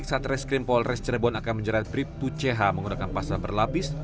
preskrim polres tancerebon akan menjerat briptu ch menggunakan pasta berlapis